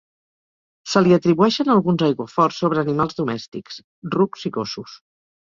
Se li atribueixen alguns aiguaforts sobre animals domèstics -rucs i gossos-.